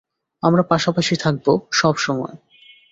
আমরা পাশাপাশি থাকবো, সবসময়।